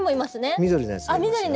緑のやつ。